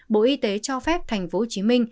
bộ y tế cho phép tp hcm